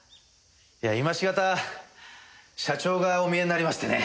いや今しがた社長がお見えになりましてね。